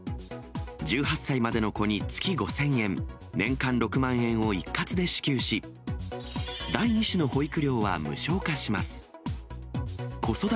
１８歳までの子に月５０００円、年間６万円を一括で支給し、第２子の保育料は無償化します。